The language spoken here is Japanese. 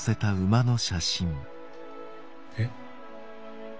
えっ。